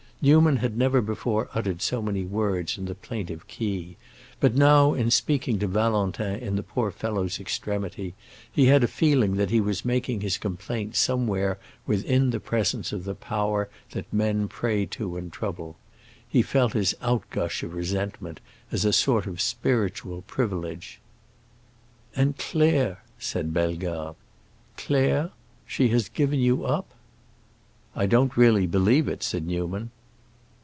Newman had never before uttered so many words in the plaintive key, but now, in speaking to Valentin in the poor fellow's extremity, he had a feeling that he was making his complaint somewhere within the presence of the power that men pray to in trouble; he felt his outgush of resentment as a sort of spiritual privilege. "And Claire,"—said Bellegarde,—"Claire? She has given you up?" "I don't really believe it," said Newman.